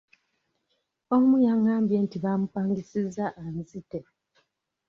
Omu yangambye nti bamupangisizza anzite.